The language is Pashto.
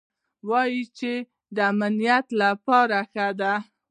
وايي چې د امنيت له پاره ښه دي.